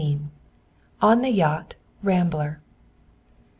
ON THE YACHT "RAMBLER."